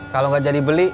kalo gak jadi beli